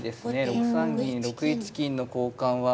６三銀６一金の交換は。